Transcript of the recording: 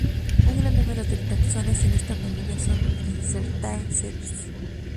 Un gran número de taxones en esta familia son "incertae sedis".